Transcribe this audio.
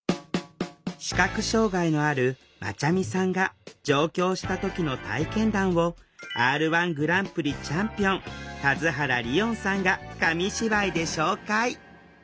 視覚障害のあるまちゃみさんが上京した時の体験談をＲ−１グランプリチャンピオン田津原理音さんが紙芝居で紹介！